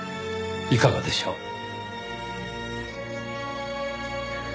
いかがでしょう？